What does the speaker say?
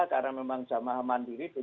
karena memang jamaah mandiri